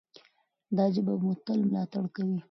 دا ژبه به مو تل ملاتړ کوي.